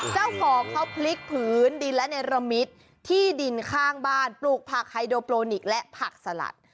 เจ้าของเขาพลิกผืนดินและเนรมิตที่ดินข้างบ้านปลูกผักไฮโดโปรนิกและผักสลัด